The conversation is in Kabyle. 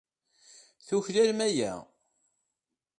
Tuklalem aya.